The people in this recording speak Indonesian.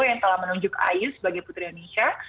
yang telah menunjuk ayu sebagai putri indonesia